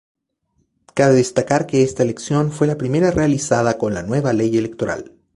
Cabe destacar que esta elección fue la primera realizada con la nueva ley electoral.